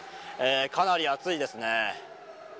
かなり暑いですね。